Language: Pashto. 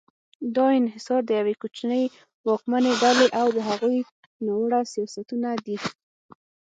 دا انحصار د یوې کوچنۍ واکمنې ډلې او د هغوی ناوړه سیاستونه دي.